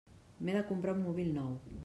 M'he de comprar un mòbil nou.